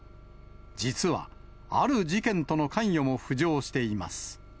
実は、ある事件との関与も浮上しています。